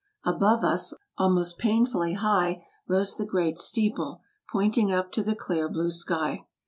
Above us, almost painfully high, rose the great steeple, pointing up to the clear blue sky.